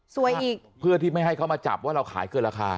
อีกเพื่อที่ไม่ให้เขามาจับว่าเราขายเกินราคา